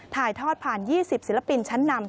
ถ่ายทอดผ่าน๒๐ศิลปินชั้นนำ